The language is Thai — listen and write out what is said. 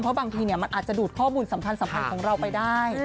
เพราะบางทีมันอาจจะดูดข้อมูลสำคัญของเราไปได้